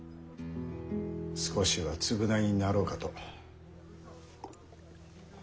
少しは償いになろうかと。